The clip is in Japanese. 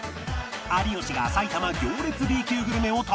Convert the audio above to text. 有吉が埼玉行列 Ｂ 級グルメを食べ尽くす！